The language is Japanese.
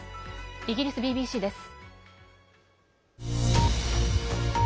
イギリスＢＢＣです。